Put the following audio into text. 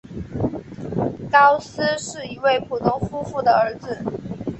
高斯是一对普通夫妇的儿子。